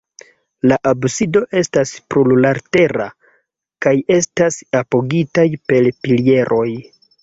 La absido estas plurlatera kaj estas apogitaj per pilieroj.